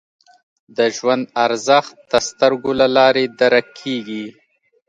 د ژوند ارزښت د سترګو له لارې درک کېږي